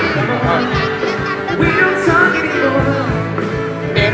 แต่ว่าเกิดว่าเข้าใจผิดจริงหรอ